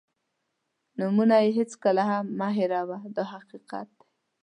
نومونه یې هېڅکله هم مه هېروه دا حقیقت دی.